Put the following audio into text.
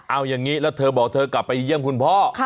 เอาอย่างนี้แล้วเธอบอกเธอกลับไปเยี่ยมคุณพ่อ